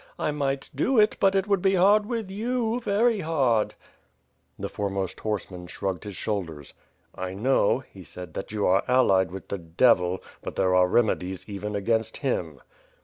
I might do it, but it would be hard with you, very hardP The foremost horseman shrugged his shoulders. "I know," he said, "that you are allied with the Devil, but there are remedies even against him."